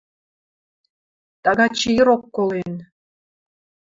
– Тагачы ирок колен...